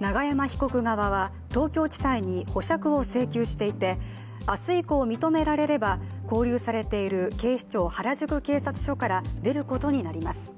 永山被告側は、東京地裁に保釈を請求していて、明日以降認められれば、勾留されている原宿警視庁から出ることになります。